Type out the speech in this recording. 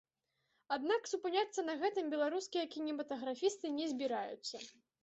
Аднак супыняцца на гэтым беларускія кінематаграфісты не збіраюцца.